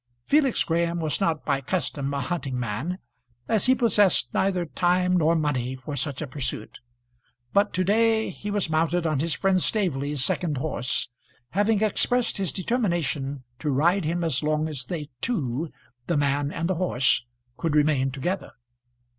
Felix Graham was not by custom a hunting man, as he possessed neither time nor money for such a pursuit; but to day he was mounted on his friend Staveley's second horse, having expressed his determination to ride him as long as they two, the man and the horse, could remain together.